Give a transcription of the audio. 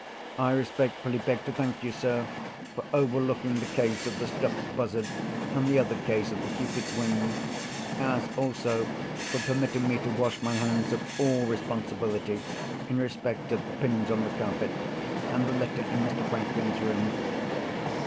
I respectfully beg to thank you, sir, for overlooking the case of the stuffed buzzard, and the other case of the Cupid's wing—as also for permitting me to wash my hands of all responsibility in respect of the pins on the carpet, and the litter in Mr. Franklin's room.